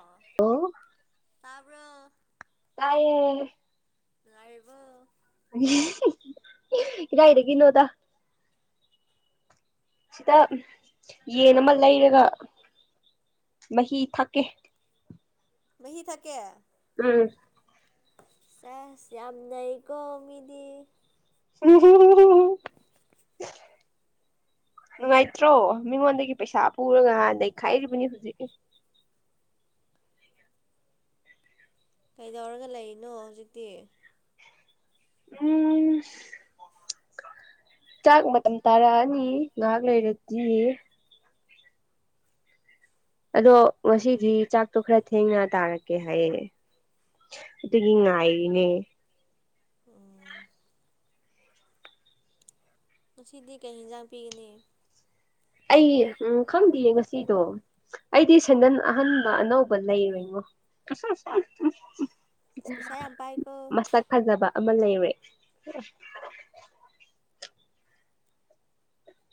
ꯑꯥ ꯑꯣ ꯇꯥꯕ꯭ꯔꯣ꯫ ꯇꯥꯏꯌꯦ꯫ ꯂꯥꯛꯏꯕꯣ ꯀꯗꯥꯏꯗꯒꯤꯅꯣꯗ꯫ ꯁꯤꯗ ꯌꯦꯟ ꯑꯃꯥ ꯂꯩꯔꯒ ꯃꯍꯤ ꯊꯛꯀꯦ꯫ ꯃꯍꯤ ꯊꯛꯀꯦ꯫ ꯎꯝ ꯁꯦꯁ ꯌꯥꯝ ꯅꯩꯀꯣ ꯃꯤꯗꯤ꯫ ꯍꯨꯝ ꯍꯨꯝ ꯍꯨꯝ ꯍꯨꯝ ꯍꯨꯝ ꯅꯨꯡꯉꯥꯏꯇ꯭ꯔꯣ ꯃꯤꯉꯣꯟꯗꯒꯤ ꯄꯩꯁꯥ ꯄꯨꯔꯒ ꯉꯍꯥꯟ ꯅꯩꯈꯥꯏꯔꯤꯕꯅꯤ ꯍꯨꯖꯤꯛ ꯀꯩꯗꯧꯔꯒ ꯂꯩꯔꯤꯅꯣ ꯍꯧꯖꯤꯛꯇꯤ꯫ ꯎꯝ ꯆꯥꯛ ꯃꯇꯝ ꯇꯥꯔꯛꯑꯅꯤ ꯉꯥꯏꯍꯥꯛ ꯂꯩꯔꯗꯤ꯫ ꯑꯗꯣ ꯉꯁꯤꯗꯤ ꯆꯥꯛꯇꯣ ꯈꯔ ꯊꯦꯡꯅ ꯇꯥꯔꯅꯤ꯫ ꯀꯩ ꯍꯥꯏꯌꯦ ꯑꯗꯨꯒꯤ ꯉꯥꯏꯔꯤꯅꯦ꯫ ꯎꯝ꯫ ꯉꯁꯤꯗꯤ ꯀꯩ ꯏꯟꯖꯥꯡ ꯄꯤꯒꯅꯤ꯫ ꯑꯩ ꯎꯝ ꯈꯪꯗꯤꯌꯦ ꯉꯁꯤꯗꯣ꯫ ꯑꯩꯗꯤ ꯁꯦꯟꯗꯟ ꯑꯍꯟꯕ ꯑꯅꯧꯕ ꯂꯩꯔꯦꯉꯣ꯫ ꯑꯁ ꯄꯩꯁꯥ ꯌꯥꯝ ꯄꯥꯏꯀꯣ ꯃꯁꯛ ꯐꯖꯕ ꯑꯃꯥ ꯂꯩꯔꯦ꯫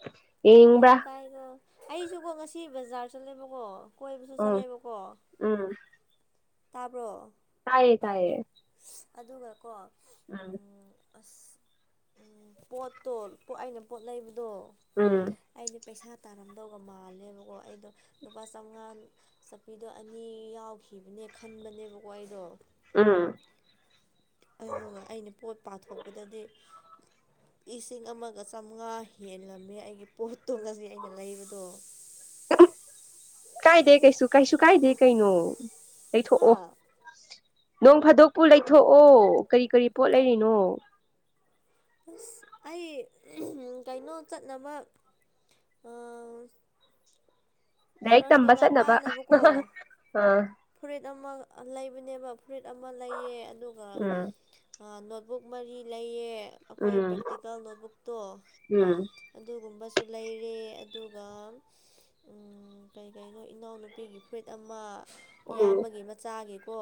[inaudible] ꯄꯩꯁꯥ ꯌꯥꯝ ꯄꯥꯏꯀꯣ ꯑꯩꯁꯨꯀꯣ ꯉꯁꯤ ꯕꯖꯥꯔ ꯆꯠꯂꯦꯕꯀꯣ ꯀꯣꯏꯕꯁꯨ ꯎꯝ ꯆꯠꯂꯦꯕꯀꯣ ꯎꯝ ꯇꯥꯕ꯭ꯔꯣ꯫ ꯇꯥꯏꯌꯦ ꯇꯥꯏꯌꯦ꯫ ꯑꯗꯨꯒꯀꯣ ꯎꯝ꯫ ꯑꯁ ꯎꯪ ꯄꯣꯠꯇꯣ ꯄꯣꯠ ꯑꯩꯅ ꯄꯣꯠ ꯂꯩꯕꯗꯣ꯫ ꯎꯝ꯫ ꯑꯩꯗꯣ ꯄꯩꯁꯥ ꯇꯥꯔꯝꯗꯧꯒ ꯃꯥꯜꯂꯦꯕꯀꯣ ꯑꯩꯗꯣ ꯂꯨꯄꯥ ꯆꯧꯉꯥꯡ ꯆꯄꯤꯗꯣ ꯑꯅꯤ ꯌꯥꯎꯈꯤꯕꯅꯦ ꯈꯟꯕꯅꯦꯕꯀꯣ ꯑꯩꯗꯣ꯫ ꯎꯝ꯫ ꯑꯗꯨꯒ ꯑꯩꯅ ꯄꯣꯠ ꯄꯥꯊꯣꯛꯄꯗꯗꯤ꯫ ꯂꯤꯁꯤꯡ ꯑꯃꯥꯒ ꯆꯥꯝꯃꯉꯥ ꯍꯦꯜꯂꯝꯃꯦ ꯑꯩꯒꯤ ꯄꯣꯠꯇꯣ ꯉꯁꯤ ꯑꯩꯅ ꯂꯩꯕꯗꯣ꯫ [unintelligible] ꯀꯥꯏꯗꯦ ꯀꯩꯁꯨ ꯀꯩꯁꯨ ꯀꯥꯏꯗꯦ ꯀꯩꯅꯣ ꯍꯥ ꯂꯩꯊꯣꯛꯑꯣ꯫ ꯅꯣꯡ ꯐꯥꯗꯣꯛꯄꯨ ꯂꯩꯊꯣꯛꯑꯣ ꯀꯔꯤ ꯀꯔꯤ ꯄꯣꯠ ꯂꯩꯔꯤꯅꯣ꯫ ꯑꯁ ꯑꯩ ꯀꯩꯅꯣ ꯆꯠꯅꯕ ꯑ ꯂꯥꯏꯔꯤꯛ ꯇꯝꯕ ꯆꯠꯅꯕ ꯀꯥꯅꯕꯀꯣ ꯑꯥ ꯐꯨꯔꯤꯠ ꯑꯃꯥ ꯂꯩꯕꯅꯦꯕ ꯐꯨꯔꯤꯠ ꯑꯃꯥ ꯂꯩꯌꯦ ꯑꯗꯨꯒ ꯎꯝ ꯑ ꯅꯣꯠꯕꯨꯛ ꯃꯔꯤ ꯂꯩꯌꯦ ꯎꯝ ꯑꯩꯈꯣꯏ ꯄ꯭ꯔꯦꯛꯇꯤꯀꯦꯜ ꯅꯣꯠꯕꯨꯛꯇꯣ ꯎꯝ ꯑꯗꯨꯒꯨꯝꯕꯁꯨ ꯂꯩꯔꯦ ꯑꯗꯨꯒ ꯎꯝ ꯀꯩꯀꯩꯩꯅꯣ ꯏꯅꯥꯎꯅꯨꯄꯤꯒꯤ ꯐꯨꯔꯤꯏꯠ ꯑꯃꯥ ꯎꯝ ꯏꯌꯥꯝꯕꯒꯤ ꯃꯆꯥꯒꯤꯀꯣ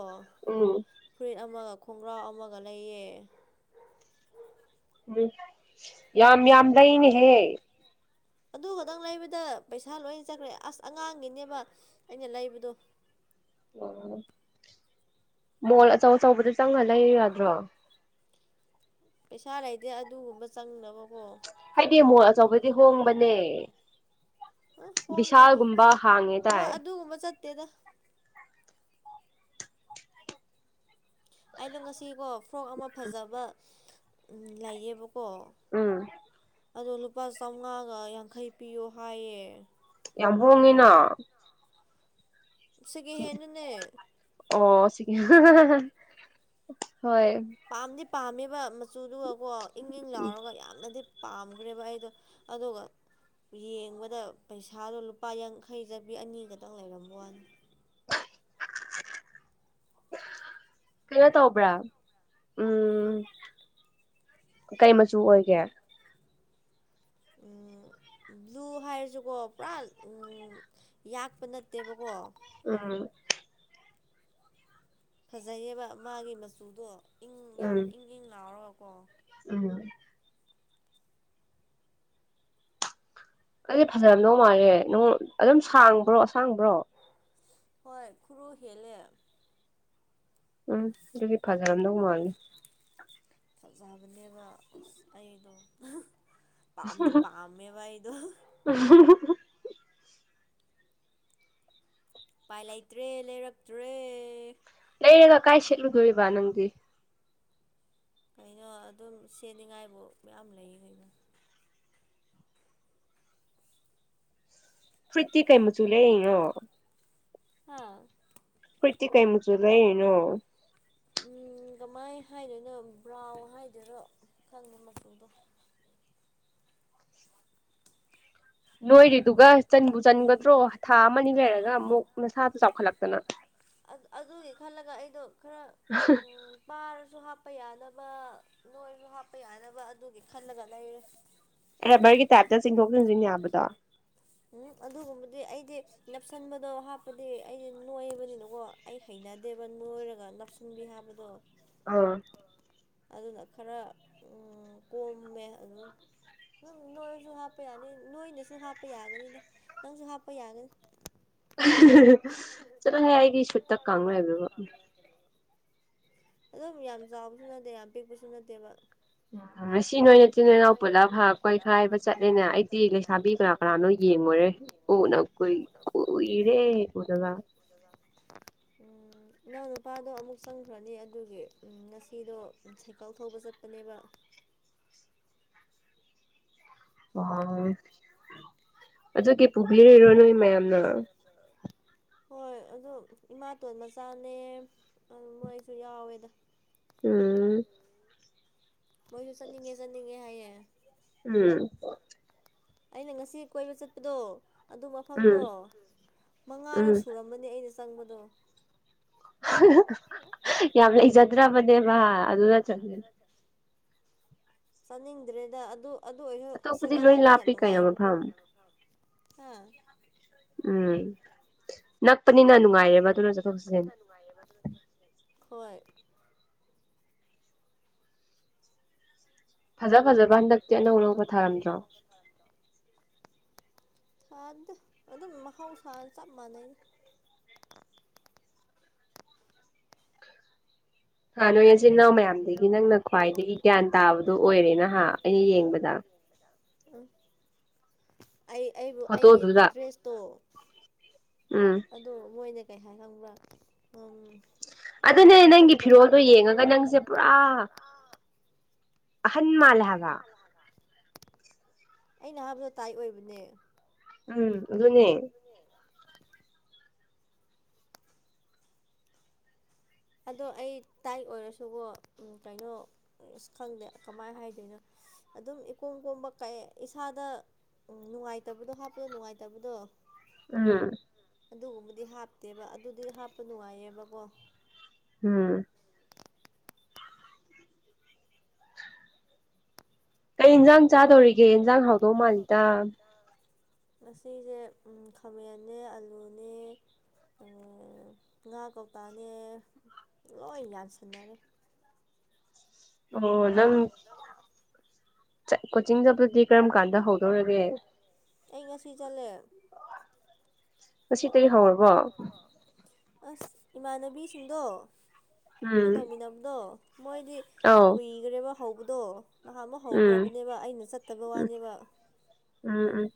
ꯎꯝ ꯐꯨꯔꯤꯠ ꯑꯃꯥꯒ ꯈꯣꯡꯒ꯭ꯔꯥꯎ ꯑꯃꯥꯒ ꯂꯩꯌꯦ꯫ ꯎꯝ ꯌꯥꯝ ꯌꯥꯝ ꯂꯩꯅꯦꯍꯦ꯫ ꯑꯗꯨ ꯈꯇꯪ ꯂꯩꯕꯗ ꯄꯩꯁꯥ ꯂꯣꯏ ꯆꯠꯈ꯭ꯔꯦ ꯑꯁ ꯑꯉꯥꯡꯒꯤꯅꯦꯕ ꯑꯩꯅ ꯂꯩꯕꯗꯣ꯫ ꯎꯝ ꯃꯣꯜ ꯑꯆꯧ ꯑꯆꯧꯕꯗ ꯆꯪꯉ ꯂꯩꯌꯣꯌꯥꯗ꯭ꯔꯣ ꯄꯩꯁꯥ ꯂꯩꯇꯦ ꯑꯗꯨꯒꯨꯝꯕ ꯆꯪꯅꯕꯀꯣ꯫ ꯍꯥꯏꯗꯤ ꯃꯣꯜ ꯑꯆꯧꯕꯗꯤ ꯍꯣꯡꯕꯅꯦ꯫ ꯑ ꯍꯣꯡꯗꯦ ꯕꯤꯁꯥꯜꯒꯨꯝꯕ ꯍꯥꯡꯉꯦ ꯍꯣꯏ ꯗꯥꯏ ꯑꯗꯨꯒꯨꯝꯕ ꯆꯠꯇꯦꯗ ꯑꯩꯗꯣ ꯉꯁꯤꯀꯣ ꯐ꯭ꯔꯣꯛ ꯑꯃꯥ ꯐꯖꯕ ꯂꯩꯌꯦꯕꯀꯣ ꯎꯝ ꯑꯗꯣ ꯂꯨꯄꯥ ꯆꯧꯉꯥꯒ ꯌꯥꯡꯈꯩ ꯄꯤꯌꯣ ꯍꯥꯏꯌꯦ ꯌꯥꯝ ꯍꯣꯡꯉꯤꯅ ꯁꯤꯀꯦꯍꯦꯟꯅꯤꯅꯦ ꯑꯣ [unintelligible] ꯍꯣꯏ ꯄꯥꯝꯗꯤ ꯄꯥꯝꯃꯦꯕ ꯃꯆꯨꯗꯨꯒꯀꯣ ꯏꯪ ꯏꯪ ꯂꯥꯎꯔꯒ ꯌꯥꯝꯅꯗꯤ ꯄꯥꯝꯈ꯭ꯔꯦꯕ ꯑꯩꯗꯣ ꯑꯗꯨꯒ ꯌꯦꯡꯕꯗ ꯄꯩꯁꯥꯗꯣ ꯂꯨꯄꯥ ꯌꯥꯡꯈꯩ ꯆꯠꯄꯤ ꯑꯅꯤꯈꯇꯪ ꯂꯩꯔꯝꯕ ꯋꯥꯅꯦ [inaudible] ꯀꯩꯅꯣ ꯇꯧꯕ꯭ꯔꯥ ꯎꯝ ꯀꯩ ꯃꯆꯨ ꯑꯣꯏꯒꯦ ꯑꯨ [unintelligible] ꯕ꯭ꯂꯨ ꯍꯥꯏꯔꯁꯨꯀꯣ ꯄꯨꯔꯥ ꯌꯥꯛꯄ ꯅꯠꯇꯦꯕꯀꯣ ꯑꯝ ꯐꯖꯩꯌꯦꯕ ꯃꯥꯒꯤ ꯃꯆꯨꯗꯣ ꯏꯪ ꯌꯥꯝ ꯎꯝ ꯏꯪ ꯏꯪ ꯂꯥꯎꯔꯒꯀꯣ ꯎꯝ ꯑꯩꯗꯨꯗꯤ ꯐꯖꯔꯝꯗꯧ ꯃꯥꯥꯟꯂꯦ ꯅꯪ ꯑꯗꯨꯝ ꯁꯥꯡꯕ꯭ꯔꯣ ꯑꯁꯥꯡꯕ꯭ꯔꯣ ꯍꯣꯏ ꯈꯨꯔꯨ ꯍꯦꯜꯂꯦ ꯎꯝ ꯑꯗꯨꯗꯤ ꯐꯖꯔꯝꯗꯧ ꯃꯥꯜꯂꯦ ꯐꯖꯕꯅꯦꯕ ꯑꯁ ꯑꯩꯗꯣ ꯄꯥꯝꯗꯤ ꯄꯥꯝꯃꯦꯕ ꯑꯩꯗꯣ ꯎ [unintelligible] ꯎꯄꯥꯏ ꯂꯩꯇ꯭ꯔꯦ ꯂꯩꯔꯛꯇ꯭ꯔꯦ ꯂꯩꯔꯒ ꯀꯥꯏ ꯁꯦꯠꯂꯨꯗꯣꯢꯔꯤꯕꯥ ꯅꯪꯗꯤ ꯀꯩꯅꯣ ꯑꯗꯨꯝ ꯁꯦꯠꯅꯤꯉꯥꯏꯕꯨ ꯃꯌꯥꯝ ꯂꯩ ꯀꯩꯅꯣ ꯐꯨꯔꯤꯠꯇꯤ ꯀꯩꯃꯆꯨ ꯂꯩꯔꯤꯅꯣ ꯍꯥꯥ ꯐꯨꯔꯤꯠꯇꯤ ꯀꯩ ꯃꯆꯨꯨ ꯂꯩꯔꯤꯅꯣ ꯑꯝ ꯀꯃꯥꯏ ꯍꯥꯏꯗꯣꯏꯅꯣ ꯕ꯭ꯔꯥꯎꯟ ꯍꯥꯏꯗꯣꯏꯔꯣ ꯈꯪꯗꯦ ꯃꯆꯨꯗꯣ ꯅꯣꯏꯔꯤꯗꯨꯒ ꯆꯟꯕꯨ ꯆꯟꯒꯗ꯭ꯔꯣ ꯊꯥ ꯑꯃꯅꯤ ꯂꯩꯔꯒ ꯑꯃꯨꯛ ꯅꯁꯥꯗꯨ ꯆꯥꯎꯈꯠꯂꯛꯇꯅ ꯑ ꯑꯗꯨꯒꯤ ꯈꯜꯂꯒ ꯑꯩꯗꯣ ꯈꯔ ꯎꯝ ꯄꯥꯔꯁꯨ ꯍꯥꯞꯄ ꯌꯥꯅꯕ ꯅꯣꯏꯔꯁꯨ ꯍꯥꯞꯄ ꯌꯥꯅꯕ ꯑꯗꯨꯒꯤ ꯈꯜꯂꯒ ꯂꯩꯔꯦ ꯔꯥꯕꯔꯒꯤ ꯇꯥꯏꯞꯇ ꯆꯤꯡꯊꯣꯛ ꯆꯤꯡꯁꯤꯟ ꯌꯥꯕꯗꯣ ꯎꯝ ꯑꯗꯨꯒꯨꯝꯕꯗꯤ ꯑꯩꯗꯤ ꯅꯞꯁꯟꯕꯗꯣ ꯍꯥꯞꯄꯗꯤ ꯑꯩꯗꯤ ꯅꯣꯏꯕꯅꯤꯅꯀꯣ ꯑꯩ ꯍꯩꯅꯗꯦꯕ ꯅꯣꯏꯔꯒ ꯅꯞꯁꯤꯟꯕꯤ ꯍꯥꯞꯕꯗꯣ ꯑꯥ ꯑꯗꯨꯅ ꯈꯔ ꯀꯣꯝꯃꯦ ꯑꯗꯨꯝ ꯎꯝ ꯅꯣꯏꯔꯁꯨ ꯍꯥꯞꯄ ꯌꯥꯅꯤ ꯅꯣꯏꯗꯁꯨ ꯍꯥꯞꯄ ꯌꯥꯒꯅꯤꯗ ꯅꯪꯁꯨ ꯍꯥꯞꯄ ꯌꯥꯒꯅꯤ ꯍꯍꯍ [unintelligible] ꯆꯥꯠꯂꯍꯦ ꯑꯩ ꯆꯠꯂꯨꯍ ꯑꯩꯗꯤ ꯁꯤꯇ ꯀꯃ ꯂ ꯆꯣ [unintelligible] ꯑꯗꯨꯝ ꯌꯥꯝ ꯆꯥꯎꯕꯁꯨ ꯅꯠꯇꯦ ꯌꯥꯝ ꯄꯤꯛꯄꯁꯨ ꯅꯠꯇꯦꯕ ꯉꯁꯤ ꯅꯣꯏ ꯅꯆꯤꯟ ꯅꯅꯥꯎ ꯄꯨꯜꯂꯞ ꯍꯥꯔ ꯀꯣꯏꯈꯥꯏꯕ ꯆꯠꯂꯦꯅꯦ ꯑꯩꯗꯤ ꯂꯩꯁꯥꯕꯤ ꯀꯅꯥ ꯀꯔꯥꯅꯣ ꯌꯦꯡꯉꯨꯔꯦ ꯎꯗ ꯀꯨꯏ ꯀꯨꯏꯔꯦ ꯎꯗꯕꯥ ꯎꯝ ꯢꯅꯥꯎꯄꯥꯗꯣ ꯑꯃꯨꯛ ꯆꯪꯈ꯭ꯔꯅꯤ ꯑꯗꯨꯒꯤ ꯉꯁꯤꯗꯣ ꯁꯥꯏꯀꯜ ꯊꯧꯕ ꯆꯠꯄꯅꯦꯕ ꯑꯣ ꯑꯗꯨꯒꯤ ꯄꯨꯕꯤꯔꯤꯔꯣ ꯅꯣꯏ ꯃꯌꯥꯝꯅ ꯍꯣꯏ ꯑꯗꯣ ꯏꯃꯥꯇꯣꯟ ꯃꯆꯥꯅꯦ ꯑꯗꯨ ꯃꯣꯏꯁꯨ ꯌꯥꯎꯋꯦꯗ ꯎꯝ ꯃꯣꯏꯁꯨ ꯆꯠꯅꯤꯡꯉꯦ ꯆꯠꯅꯤꯡꯉꯦ ꯍꯥꯏꯌꯦ ꯎꯝ ꯑꯩꯅ ꯉꯁꯤ ꯀꯣꯏꯕ ꯆꯠꯄꯗꯣ ꯑꯗꯨ ꯃꯐꯝꯗꯣ ꯎꯝ ꯃꯉꯥꯔꯛ ꯎꯝ ꯁꯨꯔꯝꯃꯅ ꯅꯤ ꯑꯩꯅ ꯆꯪꯕꯗꯣ ꯌꯥꯝ ꯂꯩꯖꯗꯔꯕꯅꯦꯕ ꯑꯗꯨ ꯅꯠꯇ꯭ꯔ ꯆꯥꯅꯤꯡꯗ꯭ꯔꯦꯗ ꯑꯗꯨ ꯑꯗꯨ ꯑꯣꯏꯔꯁꯨ ꯑꯇꯣꯞꯄꯗꯤ ꯁꯥꯏꯀꯜ ꯂꯣꯏ ꯊꯧꯕꯗꯤ ꯌꯥꯝ ꯂꯥꯞꯄꯤ ꯀꯩꯅꯣ ꯅꯨꯡꯉꯥꯏꯌꯦꯕꯀꯣ ꯃꯐꯝ ꯍꯥꯥ ꯎꯝ ꯅꯛꯄꯅꯤꯅ ꯅꯨꯡꯉꯥꯏꯌꯦꯕ ꯑꯗꯨꯅꯖꯨ ꯅꯛꯄꯅꯤꯅ ꯅꯨꯡꯉꯥꯏꯌꯦꯕ ꯑꯗꯨꯟꯖꯨ ꯍꯣꯏ ꯐꯖ ꯐꯖꯕ ꯍꯟꯗꯛ ꯐꯖ ꯐꯖꯕ ꯍꯟꯗꯛ ꯑꯅꯧꯑꯅꯧꯕ ꯊꯥꯔꯝꯗꯣ ꯊ‌ꯥꯗ‌ꯦ ꯑꯗꯨꯝ ꯃꯍꯥꯎꯁꯥꯅ‌ꯦ ꯆꯞ ꯃꯥꯟꯅꯩ ꯍꯥ ꯅꯣꯏ ꯅꯆꯤꯟ ꯅꯅꯥꯎ ꯃꯌꯥꯝꯗꯒꯤ ꯅꯪꯅ ꯈ꯭ꯋꯥꯏꯗꯒꯤ ꯒ꯭ꯌꯥꯟ ꯇꯥꯕꯗꯨ ꯑꯣꯏꯔꯦ ꯅꯍ ꯑꯩꯅ ꯌꯦꯡꯕꯗ ꯎ ꯑꯩ ꯑꯩꯕꯨ ꯑꯩꯒꯤ ꯐꯣꯇꯣꯗꯨꯗ ꯗ꯭ꯔꯦꯁꯇꯣ ꯎꯝ ꯑꯗꯣ ꯃꯣꯏꯅ ꯀꯩ ꯍꯥꯏ ꯈꯪꯕ꯭ꯔꯥ ꯎꯝ ꯑꯗꯨꯅꯦ ꯋꯥꯀꯤꯡ ꯅꯪꯒꯤ ꯆꯠꯀꯗꯕ ꯃꯤ ꯐꯤꯔꯣꯜꯗꯣ ꯃꯥꯜꯂ‌ꯦ [unintelligible] ꯌꯦꯡꯉꯒ ꯍꯥꯏ ꯅꯪꯁꯦ [unintelligible] ꯅꯪꯁ‌ꯦ ꯄꯨꯔꯥ ꯑꯍꯟ ꯃꯥꯜꯂ‌ꯦ ꯍꯥꯕ ꯑꯩꯅ ꯍꯥꯏꯕꯗꯣ ꯇꯥꯏ ꯑꯣꯏꯕꯅꯦ ꯎꯝ ꯑꯗꯨꯅꯦ ꯑꯗꯣ ꯑꯩ ꯇꯥꯏ ꯑꯣꯏꯔꯁꯨꯀ‌ꯣ ꯎꯝ ꯀꯩꯅꯣ ꯑꯁ ꯈꯪꯗꯦ ꯀꯃꯥꯏ ꯍꯥꯏꯗꯣꯏꯅꯣ ꯑꯗꯨꯝ ꯏꯀꯣꯝ ꯀꯣꯝꯕ ꯀꯩ ꯏꯁꯥꯗ ꯎꯝ ꯅꯨꯡꯉꯥꯏꯇꯕꯗꯣ ꯍꯥꯞꯄꯗꯣ ꯅꯨꯡꯉꯥꯏꯇꯕꯗꯣ ꯎꯝ ꯑꯗꯨꯒꯨꯝꯕꯗꯤ ꯍꯥꯞꯇꯦꯕ ꯑꯗꯨꯗꯤ ꯍꯥꯞꯄ ꯅꯨꯡꯉꯥꯏꯌꯦꯕꯀꯣ ꯎꯝ ꯀꯩ ꯏꯟꯖꯥꯡ ꯆꯥꯗꯧꯔꯤꯒꯦ ꯏꯟꯖꯥꯡ ꯍꯥꯎꯗꯧ ꯃꯥꯜꯂꯤꯗ ꯎꯝ ꯉꯁꯤꯁꯦ ꯈꯥꯃꯦꯟꯅ‌ꯦ ꯑꯂꯨꯅꯦ ꯎꯝ ꯉꯥ ꯀꯧꯇꯥꯅꯦ ꯂꯣꯏ ꯌꯥꯟꯁꯤꯟꯅꯔꯦ ꯑꯣ ꯅꯪ ꯀꯣꯆꯤꯡ ꯆꯠ ꯀ‌ꯣꯆꯤꯡ ꯀꯔꯝ ꯆꯠꯄꯗꯤ ꯀꯥꯟꯗ ꯀꯔꯝꯀꯥꯟꯗ ꯍꯧꯗꯧꯔꯒꯦ ꯍꯧ [unintelligible] ꯑꯩ ꯉꯁꯤ ꯆꯠꯂꯦ ꯉꯁꯤ ꯇꯩ ꯍꯧꯔꯕꯣ ꯑꯁ ꯏꯃꯥꯟꯅꯕꯤꯁꯤꯡꯗꯣ ꯑꯩꯈꯣꯏ ꯇꯧꯃꯤꯟꯅꯕꯗꯣ ꯃꯣꯏꯗꯤ ꯑꯥꯎ ꯀꯨꯏꯈ꯭ꯔꯦꯕ ꯍꯧꯕꯗꯣ ꯅꯍꯥꯟ ꯃ ꯎꯝ ꯍꯧꯈ꯭ꯔꯕꯅꯦꯕ ꯑꯩꯅ ꯆꯠꯇꯕ ꯎꯝ ꯋꯥꯅꯦꯕ ꯎꯝ ꯎꯝ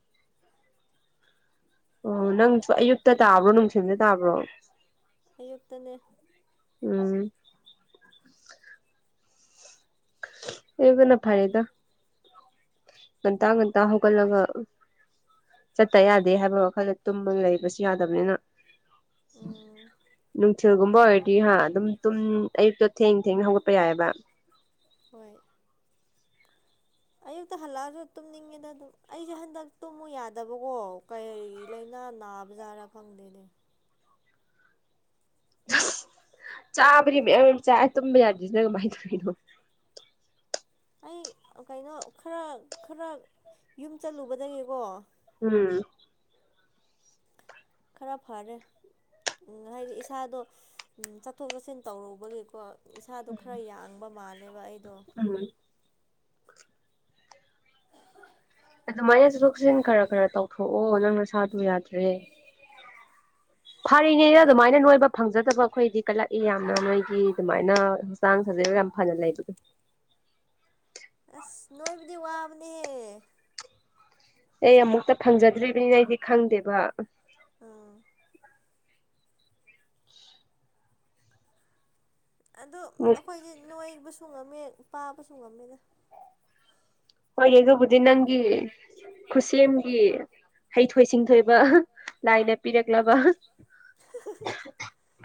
ꯑꯣ ꯅꯪꯁꯨ ꯑꯌꯨꯛꯇ ꯇꯥꯕ꯭ꯔꯣ ꯅꯨꯡꯊꯤꯟꯗ ꯇꯥꯕ꯭ꯔꯣ ꯑꯌꯨꯛꯇꯅꯦ ꯎꯝ ꯑꯌꯨꯛꯇꯅ ꯐꯥꯏꯗ ꯉꯟꯇꯥ ꯉꯟꯇꯥ ꯍꯧꯒꯠꯂꯒ ꯆꯠꯇ ꯌꯥꯗꯦ ꯍꯥꯏꯕ ꯋꯥꯈꯜꯗ ꯇꯨꯝꯕ ꯂꯩꯕꯁꯨ ꯌꯥꯗꯕꯅꯤꯅ ꯎꯝ ꯅꯨꯡꯊꯤꯜꯒꯨꯝꯕ ꯑꯣꯏꯔꯗꯤ ꯍꯥ ꯑꯗꯨꯝ ꯇꯨꯝ ꯑꯌꯨꯛꯇ ꯊꯦꯡ ꯊꯦꯡꯅ ꯍꯧꯒꯠꯄ ꯌꯥꯏꯕ ꯍꯣꯏ ꯑꯌꯨꯛꯇ ꯍꯜꯂꯛꯑꯁꯨ ꯇꯨꯝꯅꯤꯡꯉꯦꯗ ꯑꯗꯨꯝ ꯑꯩꯁꯦ ꯍꯟꯗꯛ ꯇꯨꯝꯃꯨ ꯌꯥꯗꯕꯀꯣ ꯀꯔꯤ ꯂꯥꯏꯅꯥ ꯅꯥ ꯕꯥꯖꯥꯔ ꯈꯪꯗ‌ꯦꯅꯦ ꯑꯁ ꯆꯥꯕꯗꯤ ꯃꯌꯥꯝ ꯃꯌꯥꯝ ꯆꯥꯏ ꯇꯨꯝꯕ ꯌꯥꯗ‌ꯔꯤꯁꯤꯅ ꯀꯃꯥꯏꯅ ꯇꯧꯔꯤꯅꯣ ꯑꯩ ꯀꯩꯅꯣ ꯈꯔ ꯈꯔ ꯌꯨꯝ ꯆꯠꯂꯨꯕꯗꯒꯤꯀꯣ ꯎꯝ ꯈꯔ ꯐꯔꯦ ꯍꯥꯏꯗꯤ ꯏꯁꯥꯗꯣ ꯆꯠꯊꯣꯛ ꯆꯠꯁꯤꯟ ꯇꯧꯔꯨꯕꯒꯤꯀꯣ ꯏꯁꯥꯗꯣ ꯈꯔ ꯌꯥꯡꯕ ꯃꯥꯜꯂꯦꯕ ꯑꯩꯗꯣ ꯎꯝ ꯑꯗꯨꯃꯥꯏꯅ ꯆꯠꯊꯣꯛ ꯆꯠꯁꯤꯟ ꯈꯔ ꯈꯔ ꯇꯧꯊꯣꯛꯑꯣ ꯅꯪ ꯅꯁꯥꯗꯨ ꯌꯥꯗ꯭ꯔꯦ ꯐꯔꯤꯅꯦ ꯀꯩ ꯑꯗꯨꯃꯥꯏꯅ ꯅꯣꯏꯕ ꯐꯪꯖꯗꯕ ꯑꯩꯈꯣꯏꯗꯤ ꯀꯜꯂꯛꯏ ꯌꯥꯝꯅ ꯅꯣꯏꯒꯤ ꯑꯗꯨꯃꯥꯏꯅ ꯍꯛꯆꯥꯡ ꯁꯥꯖꯦꯜ ꯌꯥꯝ ꯐꯅ ꯂꯩꯕꯗꯣ ꯑꯁ ꯅꯣꯏꯕꯗꯤ ꯋꯥꯕꯅꯦꯍꯦ ꯑꯩ ꯑꯃꯨꯛꯇꯥ ꯐꯪꯖꯗ꯭ꯔꯤꯕꯅꯤꯅ ꯑꯩꯗꯤ ꯈꯪꯗꯦꯕ ꯎꯝ ꯑꯗꯨ ꯑꯃꯨꯛ ꯑꯩꯈꯣꯏꯗꯤ ꯅꯣꯏꯕꯁꯨ ꯉꯝꯃꯦ ꯄꯥꯕꯁꯨ ꯉꯝꯃꯦꯗ ꯍꯣꯏ ꯑꯗꯨꯕꯨꯗꯤ ꯅꯪꯒꯤ ꯈꯨꯠꯁꯦꯝꯒꯤ ꯍꯩꯊꯣꯏ ꯁꯤꯡꯊꯣꯏꯕ ꯂꯥꯏꯅ ꯄꯤꯔꯛꯂꯕ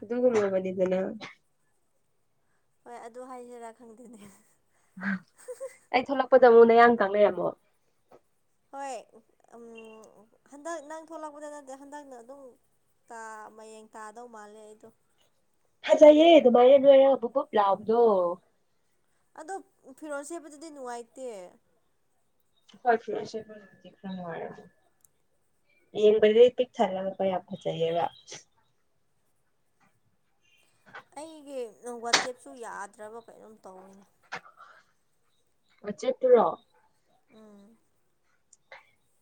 ꯑꯗꯨꯒꯨꯝꯂꯕꯅꯤꯗꯥꯅ ꯍꯣꯏ ꯑꯗꯨ ꯍꯥꯏꯁꯤꯔꯥ ꯈꯪꯗꯦꯅꯦ ꯑꯩ ꯊꯣꯛꯂꯛꯄꯗ ꯑꯃꯨꯛ ꯅꯌꯥꯡ ꯀꯪ ꯂꯩꯔꯝꯃꯣ ꯍꯣꯏ ꯎꯝ ꯍꯟꯗꯛ ꯅꯪ ꯊꯣꯛꯂꯛꯄꯗ ꯅꯠꯇꯦ ꯍꯟꯗꯛꯅ ꯑꯗꯨꯝ ꯇꯥ ꯃꯌꯦꯡ ꯇꯥꯗꯧ ꯃꯥꯜꯂꯦ ꯑꯩꯗꯣ ꯐꯖꯩꯌꯦ ꯑꯗꯨꯃꯥꯏꯅ ꯅꯣꯏꯔꯒ ꯕꯨꯞ ꯕꯨꯞ ꯂꯥꯎꯕꯗꯣ ꯑꯗꯣ ꯐꯤꯔꯣꯜ ꯁꯦꯠꯕꯗꯗꯤ ꯅꯨꯡꯉꯥꯏꯇꯦ ꯍꯣꯏ ꯐꯤ ꯔꯣꯜ ꯁꯦꯠꯄꯗꯥꯗꯤ ꯈꯔ ꯅꯨꯉꯥꯏꯔꯣꯏ ꯌꯦꯡꯕꯗꯗꯤ ꯄꯤꯛ ꯊꯜꯂꯒ ꯄ ꯌꯥꯝ ꯐꯖꯩꯌꯦꯕ ꯑꯩꯒꯤ ꯋꯥꯆꯦꯞꯁꯨ ꯌꯥꯗ꯭ꯔꯕ ꯀꯩꯅꯣꯝ ꯇꯧꯋꯤꯅꯦ ꯋꯥꯆꯦꯞꯇꯨꯔꯣ ꯎꯝ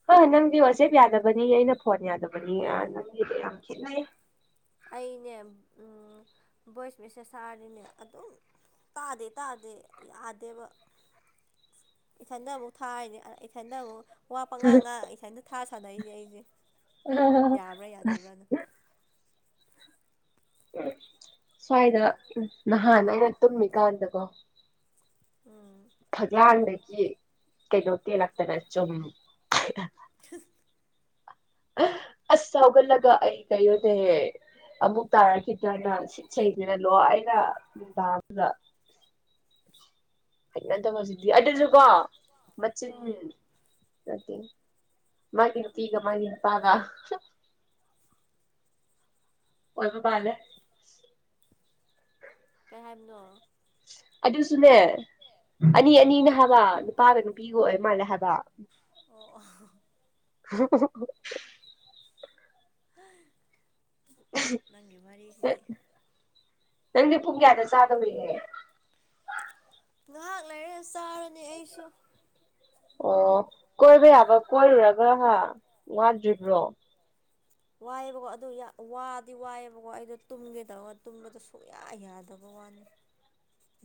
ꯍꯥꯏ ꯅꯪꯗꯤ ꯋꯥꯆꯦꯞ ꯌꯥꯗꯕꯅꯤ ꯑꯩꯅ ꯐꯣꯟ ꯌꯥꯗꯕꯅꯤ ꯅꯪꯒꯤꯒ ꯌꯥꯝ ꯈꯦꯠꯅꯩ ꯑꯩꯅꯦ ꯎꯝ ꯚꯣꯏꯁ ꯃꯦꯁꯦꯁ ꯊꯔꯗꯤꯅꯦ ꯑꯗꯨꯝ ꯇꯥꯗꯦ ꯇꯥꯗꯦ ꯌꯥꯗꯦꯕ ꯏꯊꯟꯗ ꯑꯃꯨꯛ ꯊꯥꯔꯤꯅꯦ ꯏꯊꯟꯗ ꯑꯃꯨꯛ ꯋꯥ ꯄꯉꯥ ꯉꯥꯡ ꯏꯊꯟꯗꯥ ꯊꯥ ꯁꯥꯟꯅꯩꯅꯦ ꯑꯩꯖꯦ ꯌꯥꯕ꯭ꯔꯥ ꯌꯥꯗꯕ꯭ꯔꯅ ꯁ꯭ꯋꯥꯏꯗ ꯅꯍꯥꯟ ꯑꯩꯅ ꯇꯨꯝꯃꯤꯀꯥꯟꯗꯀꯣ ꯎꯝ ꯐꯛꯂꯥꯡꯗꯒꯤ ꯀꯩꯅꯣ ꯀꯦꯜꯂꯛꯇꯥꯅ ꯆꯨꯝ [unintelligible] ꯑꯁ ꯍꯥꯎꯒꯠꯂꯒ ꯑꯩ ꯀꯩꯅꯣꯅꯦ ꯑꯃꯨꯛ ꯇꯥꯔꯛꯈꯤꯗꯅ ꯁꯤꯠ ꯁꯦꯡꯉꯤꯅꯦ ꯂꯣꯏꯅ ꯅꯨꯡꯗꯥꯡꯗꯨꯗ [unintelligible] ꯍꯩꯅꯗꯕꯖꯤꯗꯤ ꯑꯗꯨꯖꯨ ꯀꯣ ꯎꯝ ꯃꯆꯤꯟ ꯃꯥꯒꯤ ꯅꯨꯄꯤꯒꯥ ꯃꯥꯒꯤ ꯅꯨꯄꯥꯒꯥ ꯑꯣꯏꯕ ꯃꯥꯂꯦ ꯀꯩ ꯍꯥꯏꯕꯅꯣ ꯑꯗꯨꯁꯨꯅꯦ ꯎꯝ ꯑꯅꯤ ꯑꯅꯤꯅꯦ ꯍꯥꯏꯕ ꯅꯨꯄꯥꯒꯥ ꯅꯨꯄꯤꯒꯥ ꯑꯣꯏ ꯃꯥꯜꯂꯦ ꯍꯥꯏꯕ ꯑꯣ [unintelligible] [unintelligible] ꯅꯪꯒꯤ ꯋꯥꯔꯤꯁꯤꯗꯤ ꯅꯪꯗꯤ ꯄꯨꯡ ꯀꯌꯥꯗ ꯆꯥꯗꯧꯔꯤꯒꯦ ꯉꯥꯏꯍꯥꯛ ꯂꯩꯔꯛꯒ ꯆꯥꯔꯅꯤ ꯑꯩꯁꯨ ꯑꯣ ꯀꯣꯏꯕ ꯌꯥꯕ ꯀꯣꯏꯔꯨꯔꯕ ꯋꯥꯗ꯭ꯔꯤꯕ꯭ꯔꯣ ꯋꯥꯏꯑꯦꯕꯀꯣ ꯑꯗꯨ ꯋꯥꯗꯤ ꯋꯥꯏꯑꯦꯕꯀꯣ ꯑꯩꯗꯣ ꯇꯨꯝꯒꯦ ꯇꯧꯔꯒ ꯇꯨꯝꯕꯗꯣ ꯁꯨꯡꯌꯥ ꯌꯥꯗꯕ ꯋꯥꯅꯤ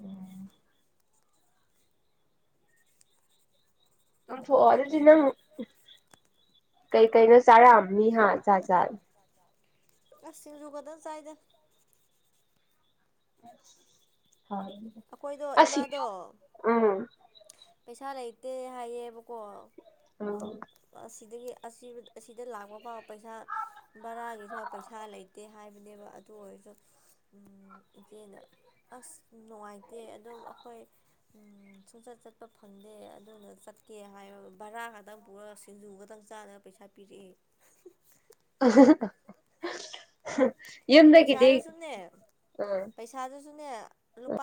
ꯎꯝ ꯇꯨꯝꯊꯣꯛꯑꯣ ꯈꯪꯗꯦ ꯑꯗꯨꯗꯤ ꯅꯪ ꯀꯩꯒꯤꯅꯣ ꯀꯩꯀꯩꯅꯣ ꯆꯥꯔꯛꯑꯝꯅꯤ ꯍꯥ ꯖꯥꯠ ꯖꯥꯠ ꯑꯁꯤ ꯁꯤꯡꯖꯨ ꯈꯪꯛꯇꯥ ꯆꯥꯏꯗ ꯍ [unintelligible] ꯑꯈꯣꯏꯗꯣ ꯏꯃꯥꯗꯣ ꯎꯝ ꯄꯩꯁꯥ ꯂꯩꯇꯦ ꯍꯥꯏꯌꯦꯕꯀꯣ ꯑꯣ ꯑꯁꯤꯗꯒꯤ ꯑꯁꯤ ꯑꯁꯤꯗ ꯂꯥꯛꯄꯥꯎꯕ ꯄꯩꯁꯥ ꯕꯔꯥꯒꯤꯁꯨ ꯄꯩꯁꯥ ꯂꯩꯇꯦ ꯍꯥꯏꯕꯅꯦꯕ ꯑꯗꯨ ꯑꯣꯏꯔꯁꯨ ꯏꯆꯦꯅ ꯑꯁ ꯅꯨꯡꯉꯥꯏꯇꯦ ꯑꯗꯨꯝ ꯑꯩꯈꯣꯏ ꯎꯝ ꯁꯨꯡꯆꯠ ꯆꯠꯄ ꯐꯪꯗꯦ ꯑꯗꯨꯅ ꯆꯠꯀꯦ ꯍꯥꯏꯕ ꯕꯔꯥ ꯈꯛꯇꯪ ꯄꯨꯔ ꯁꯤꯡꯖꯨꯒꯛꯇꯪ ꯆꯥꯅ ꯄꯩꯁꯥ ꯄꯤꯔꯛꯑꯦ ꯌꯨꯝꯗꯒꯤꯗꯤ ꯄꯩꯁꯥꯗꯨꯁꯨꯅꯦ ꯎꯝ ꯄꯩꯁꯥꯗꯨꯁꯨꯅꯦ ꯂꯨꯄꯥ